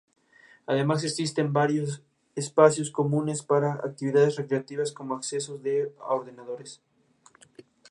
Además, existen espacios comunes para actividades recreativas como acceso a ordenadores.